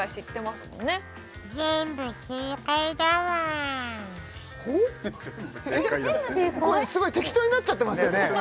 すごい適当になっちゃってますよね？